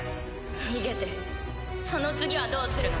逃げてその次はどうするの？